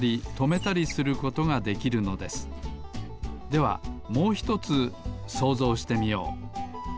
ではもうひとつそうぞうしてみよう。